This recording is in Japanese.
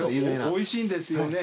おいしいんですよね。